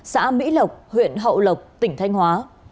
xã mỹ lộc huyện hậu lộc tỉnh thanh hóa